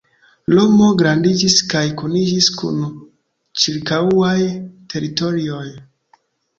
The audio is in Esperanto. Romo grandiĝis kaj kuniĝis kun ĉirkaŭaj teritorioj.